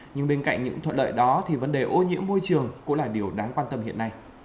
nhưng bên cạnh những thuận lợi đó thì vấn đề ô nhiễm môi trường cũng là điều đáng quan tâm hiện nay